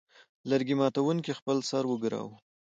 لرګي ماتوونکي خپل سر وګراوه.